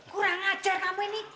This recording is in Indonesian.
kurang ajar kamu ini